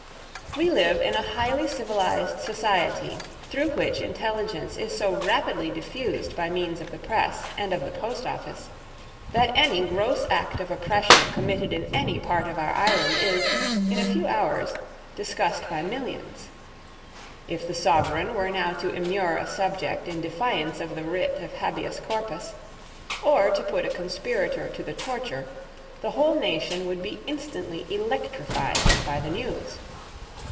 We live in a highly civilised society, through which intelligence is so rapidly diffused by means of the press and of the post office that any gross act of oppression committed in any part of our island is, in a few hours, discussed by millions. If the sovereign were now to immure a subject in defiance of the writ of Habeas Corpus, or to put a conspirator to the torture, the whole nation would be instantly electrified by the news.